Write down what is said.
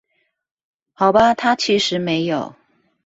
好吧他其實沒有